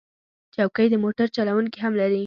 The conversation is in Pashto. چوکۍ د موټر چلونکي هم لري.